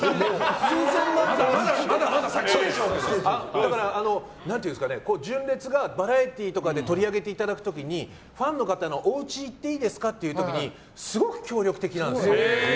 だから純烈がバラエティーとかで取り上げていただく時にファンの方のおうち行っていいですかという時にすごく協力的なんです。